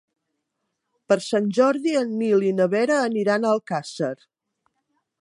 Per Sant Jordi en Nil i na Vera aniran a Alcàsser.